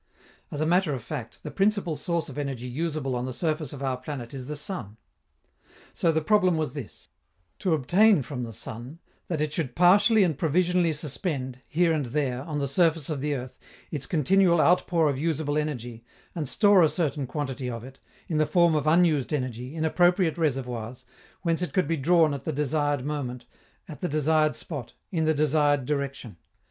As a matter of fact, the principal source of energy usable on the surface of our planet is the sun. So the problem was this: to obtain from the sun that it should partially and provisionally suspend, here and there, on the surface of the earth, its continual outpour of usable energy, and store a certain quantity of it, in the form of unused energy, in appropriate reservoirs, whence it could be drawn at the desired moment, at the desired spot, in the desired direction.